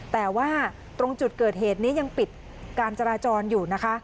แต่ว่าตรงจุดเกิดเหตุนี้ยังปิดการจราจรอยู่นะคะ